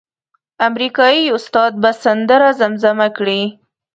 امریکایي استاد به سندره زمزمه کړي.